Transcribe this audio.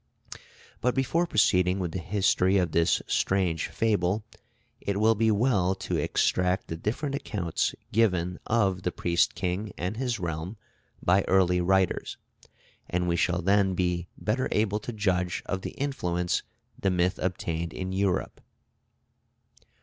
But before proceeding with the history of this strange fable, it will be well to extract the different accounts given of the Priest King and his realm by early writers; and we shall then be better able to judge of the influence the myth obtained in Europe.